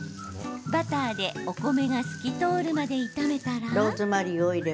バターでお米が透き通るまで炒めたら。